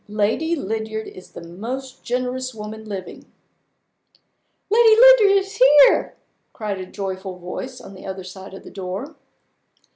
"Lady Lydiard is the most generous woman living!" "Lady Lydiard is here!" cried a joyful voice on the other side of the door.